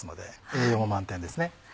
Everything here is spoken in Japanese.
栄養も満点ですね。